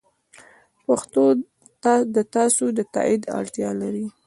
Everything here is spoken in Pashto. پښتو د تاسو د تایید اړتیا لري.